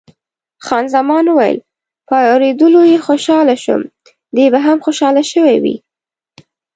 خان زمان وویل، په اورېدلو یې خوشاله شوم، دی به هم خوشاله شوی وي.